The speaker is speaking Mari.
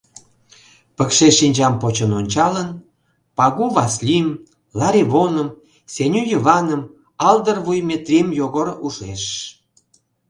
Пыкше шинчам почын ончалын, Пагу Васлим, Ларивоным, Сеню Йываным, Алдыр вуй Метрим Йогор ужеш.